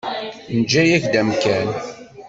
Neǧǧa-yak-d amkan.